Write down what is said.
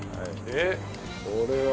これは。